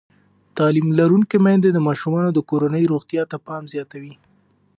تعلیم لرونکې میندې د ماشومانو د کورنۍ روغتیا ته پام زیاتوي.